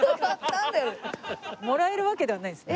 もらえるわけではないんですね。